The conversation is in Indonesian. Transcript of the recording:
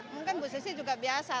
mungkin bu susi juga biasa